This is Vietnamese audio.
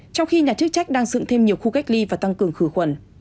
trong khi nhà chức trách đang dựng thêm nhiều khu cách ly và tăng cường khử khuẩn